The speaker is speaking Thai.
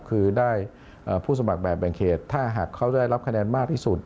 คือได้ผู้สมัครแบบแบ่งเขตถ้าหากเขาได้รับคะแนนมากที่สุด